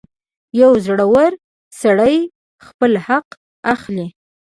• یو زړور سړی خپل حق اخلي.